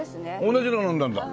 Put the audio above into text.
同じの飲んだんだ。